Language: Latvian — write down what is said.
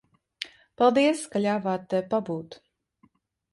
Paldies, ka ļāvāt te pabūt.